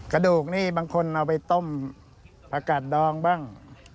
กระดูกนี่บางคนเอาไปต้มผักกัดดองบ้าง